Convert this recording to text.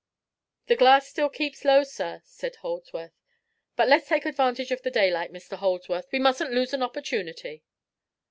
"The glass still keeps low, sir," said Holdsworth. "But let's take advantage of the daylight, Mr. Holdsworth. We mustn't lose an opportunity."